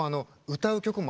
歌う曲も？